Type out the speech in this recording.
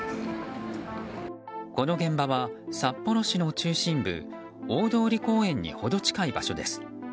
この現場は札幌市の中心部大通公園に程近い場所です。